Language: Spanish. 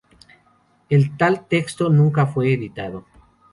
El tal texto nunca fue editado.